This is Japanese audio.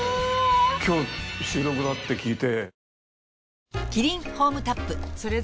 今日収録だって聞いて。